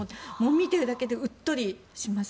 見ているだけでうっとりします。